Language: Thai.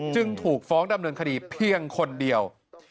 จึงถูกฟ้องดำเนินคดีเพียงคนเดียว